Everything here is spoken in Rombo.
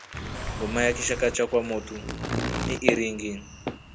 Ngoma ya kishakaa cha kwa motu ni iringi.